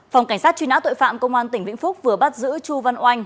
phòng cảnh sát truy nã tội phạm công an tỉnh vĩnh phúc vừa bắt giữ chu văn oanh